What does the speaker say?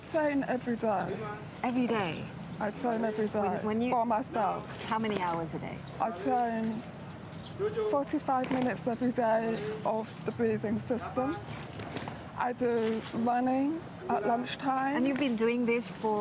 dan ketika anda mendapat hasil yang lebih tinggi